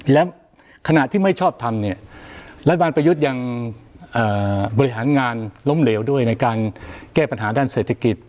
และขณะที่ไม่ชอบทำเนี่ยรัฐบาลประยุทธ์ยังบริหารงานล้มเหลวด้วยในการแก้ปัญหาด้านเศรษฐกิจ